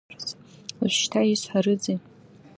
Уажәшьҭа исҳәарызеи?